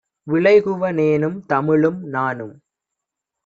விழைகுவ னேனும், தமிழும் - நானும்